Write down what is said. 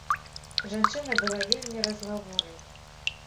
Жанчына была вельмі разгаворлівай.